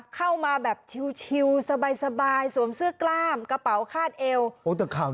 เข้ามาแบบชิวสบายสวมเสื้อกล้ามกระเป๋าคาดเอว